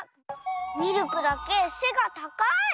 ミルクだけせがたかい！